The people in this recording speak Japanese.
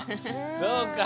そうか。